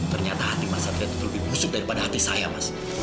ternyata hati masyarakat itu lebih busuk daripada hati saya mas